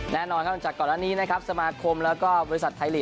แน่นอนจากก่อนดันนี้สมาคมและบริษัทไทยลีก